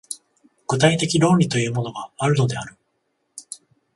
具体的論理というものがあるのである。